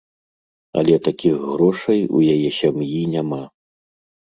Але такіх грошай у яе сям'і няма.